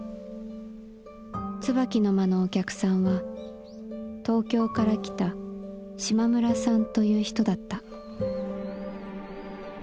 「椿の間のお客さんは東京から来た島村さんという人だった」。